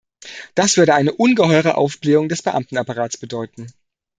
Das würde eine ungeheure Aufblähung des Beamtenapparates bedeuten.